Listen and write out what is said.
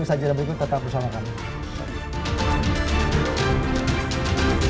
usha jeddah berikut tetap bersama kami